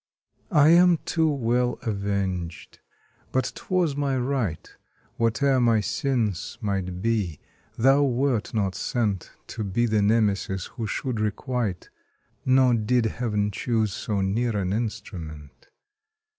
I am too well avenged! but 'twas my right; Whate'er my sins might be, thou wert not sent To be the Nemesis who should requite Nor did Heaven choose so near an instrument.